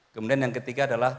kemudian yang ketiga adalah